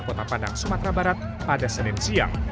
kota padang sumatera barat pada senin siang